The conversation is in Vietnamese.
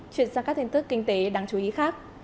chuyển sang các thông tin kinh tế đáng chú ý khác